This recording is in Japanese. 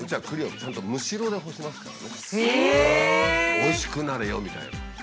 「おいしくなれよ」みたいな。